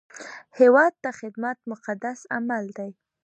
هیواد ته خدمت مقدس عمل دی